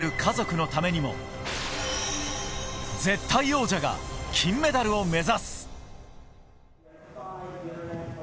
支えてくれる家族のためにも、絶対王者が金メダルを目指す。